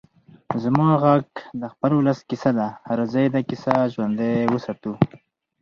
زما غږ د خپل ولس کيسه ده؛ راځئ دا کيسه ژوندۍ وساتو.